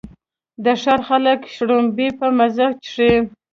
د ښار خلک شړومبې په مزه څښي.